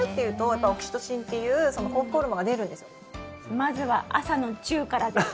まずは朝のチューからです。